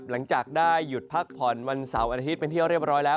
หลังจากได้หยุดพักผ่อนวันเสาร์อาทิตย์เป็นที่เรียบร้อยแล้ว